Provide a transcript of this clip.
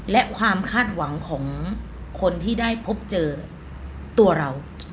และความคาดหวังของคนที่ได้พบเจอตัวเรา